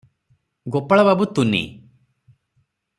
ଗୋପାଳବାବୁ ତୁନି ।